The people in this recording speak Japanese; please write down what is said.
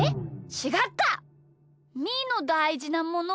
ちがった！